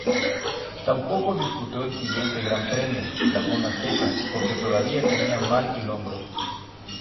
Tampoco disputó el siguiente Gran Premio, Laguna Seca, porque todavía tenía mal el hombro.